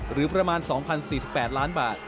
หรือประมาณ๒๐๔๘ล้านบาท